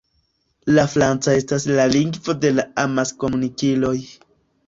La franca estas la lingvo de la amaskomunikiloj.